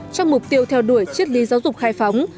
trong mục tiêu theo đuổi triết lý giáo dục khai phóng